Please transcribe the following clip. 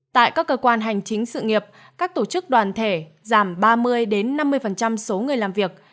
tại các cơ quan hành chính sự nghiệp các tổ chức đoàn thể giảm ba mươi năm mươi số người làm việc